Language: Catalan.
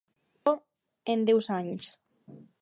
Aquesta fou la seva quarta reelecció en deu anys.